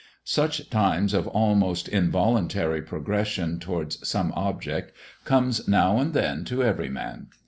Such times of almost involuntary progression towards some object comes now and then to every man.